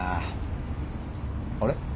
あれ？